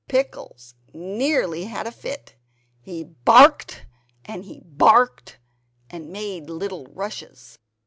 Pickles nearly had a fit, he barked and he barked and made little rushes.